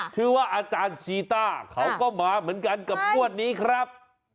ชื่อว่าอาจารย์ชีต้าเขาก็มาเหมือนกันกับงวดนี้ครับ